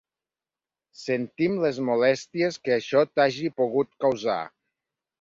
Sentim les molèsties que això t'hagi pogut causar.